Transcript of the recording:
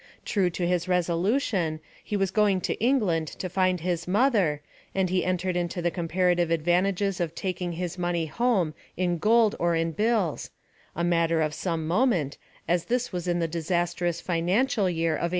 True to his resolution, he was going to England to find his mother, and he entered into the comparative advantages of taking his money home in gold or in bills, a matter of some moment, as this was in the disastrous financial year of 1837.